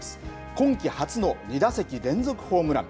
今季初の２打席連続ホームラン。